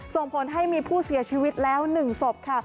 ส่งผลให้มีผู้เสียชีวิตแล้ว๑ศพค่ะ